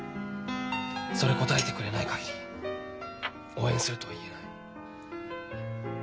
それ答えてくれない限り応援するとは言えない。